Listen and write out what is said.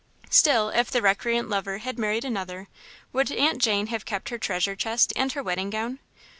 Still, if the recreant lover had married another, would Aunt Jane have kept her treasure chest and her wedding gown?